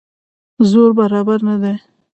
زور برابر نه دی.